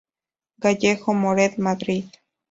Gallego Morell, Madrid.